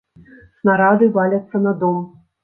Снарады валяцца на дом!